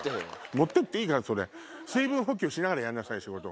持ってっていいからそれ水分補給しながらやんなさい。